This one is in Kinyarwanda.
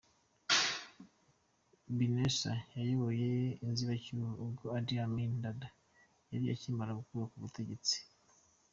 Binaisa yayoboye inzibacyuho ubwo Idia Amin dada yari akimara gukurwa ku butegetsi.